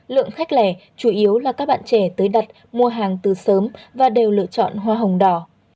lượng khách lẻ chủ yếu là các bạn trẻ tới đặt mua hàng từ sớm và đều lựa chọn hoa hồng đỏ